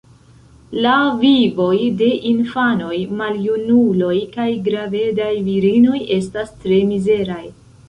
La vivoj de infanoj, maljunuloj kaj gravedaj virinoj estas tre mizeraj.